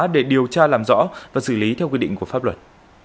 để điều tra làm rõ và xử lý theo quy định của pháp luật